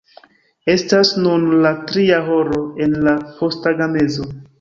Estas nun la tria horo en la posttagmezo.